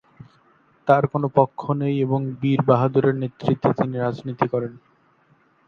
তাঁর কোনো পক্ষ নেই এবং বীর বাহাদুরের নেতৃত্বে তিনি রাজনীতি করেন।